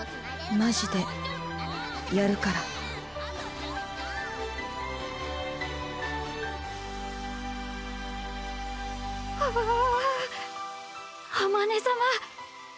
マジでやるから。はわわあまね様。